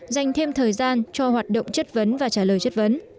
dành thêm thời gian cho hoạt động chất vấn và trả lời chất vấn